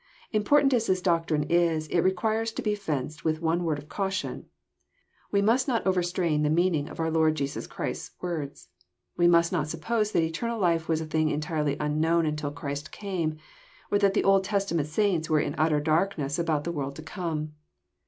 Important as this doctrine is, it requires to be fenced "with one word of caution. We must not overstrain the meaning of our Lord Jesus Christ's words. We must not suppose that eternal life was a thing entirely unknown until Christ came, or that the Old Testament saints were in utter darkness about the world to come.